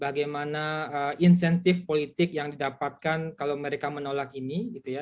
bagaimana insentif politik yang didapatkan kalau mereka menolak ini